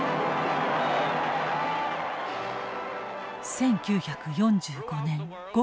１９４５年５月８日。